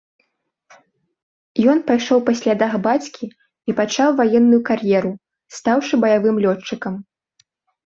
Ён пайшоў па слядах бацькі і пачаў ваенную кар'еру, стаўшы баявым лётчыкам.